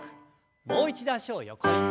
もう一度脚を横に。